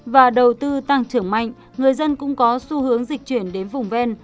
và đầu tư tăng trưởng mạnh người dân cũng có xu hướng dịch chuyển đến vùng ven